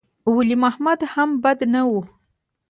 ولي محمد هم بد نه و.